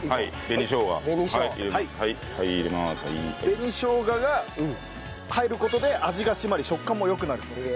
紅しょうがが入る事で味が締まり食感も良くなるそうです。